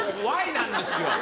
なんですよ。